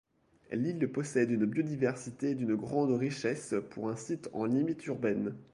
L'île possède une biodiversité d'une grande richesse pour un site en limite urbaine.